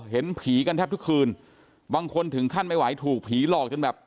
เห็นผีกันแทบทุกคืนบางคนถึงขั้นไม่ไหวถูกผีหลอกจนแบบ